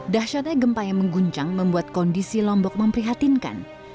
dahsyatnya gempa yang mengguncang membuat kondisi lombok memprihatinkan